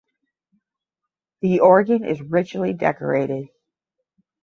The organ is richly decorated.